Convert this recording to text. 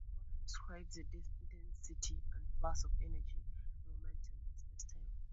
The latter describes the density and flux of energy and momentum in spacetime.